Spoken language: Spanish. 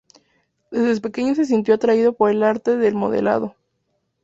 Desde pequeño se sintió atraído por el arte del modelado.